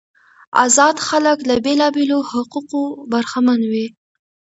آزاد خلک له بیلابیلو حقوقو برخمن وو.